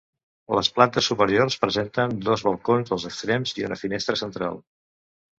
Les plantes superiors presenten dos balcons als extrems i una finestra central.